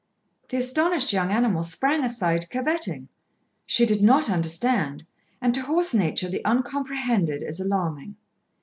The astonished young animal sprang aside curvetting. She did not understand, and to horse nature the uncomprehended is alarming.